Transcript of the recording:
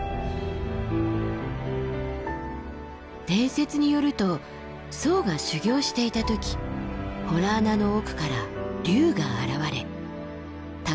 伝説によると僧が修行していた時洞穴の奥から竜が現れ「宝の珠」を授けてくれた。